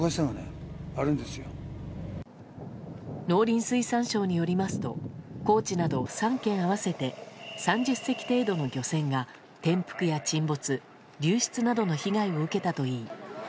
農林水産省によりますと高知など３県合わせて３０隻程度の漁船が転覆や沈没流失などの被害を受けたといい